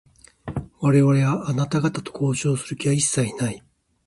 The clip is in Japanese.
我々は、あなた方と交渉をする気は一切ない。